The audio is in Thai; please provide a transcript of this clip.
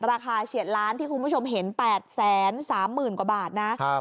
เฉียดล้านที่คุณผู้ชมเห็น๘๓๐๐๐กว่าบาทนะ